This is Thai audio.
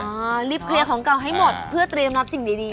อ่ารีบเคลียร์ของเก่าให้หมดเพื่อเตรียมรับสิ่งดีดี